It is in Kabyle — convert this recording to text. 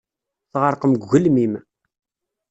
Tɣerqem deg ugelmim.